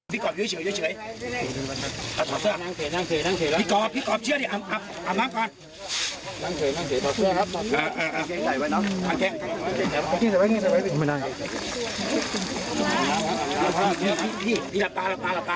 ปี๊ผู้ชมลองดูหน่อยค่ะ